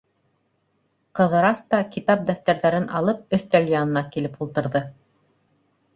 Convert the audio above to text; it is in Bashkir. Ҡыҙырас та, китап-дәфтәрҙәрен алып, өҫтәл янына килеп ултырҙы.